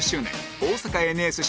大阪ＮＳＣ